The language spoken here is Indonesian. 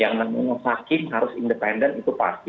yang namanya hakim harus independen itu pasti